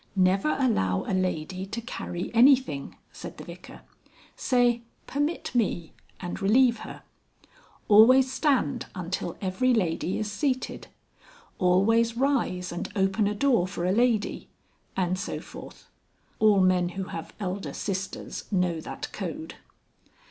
"Never allow a lady to carry anything," said the Vicar. "Say, 'permit me' and relieve her." "Always stand until every lady is seated." "Always rise and open a door for a lady...." and so forth. (All men who have elder sisters know that code.)